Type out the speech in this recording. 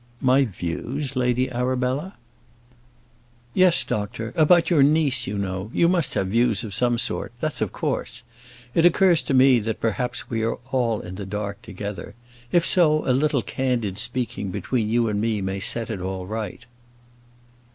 "My views, Lady Arabella?" "Yes, doctor; about your niece, you know: you must have views of some sort; that's of course. It occurs to me, that perhaps we are all in the dark together. If so, a little candid speaking between you and me may set it all right."